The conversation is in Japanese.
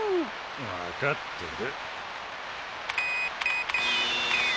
・わかってる。